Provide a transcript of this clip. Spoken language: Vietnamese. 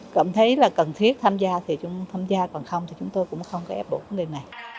cảm thấy là cần thiết tham gia thì chúng tham gia còn không thì chúng tôi cũng không có ép buộc vấn đề này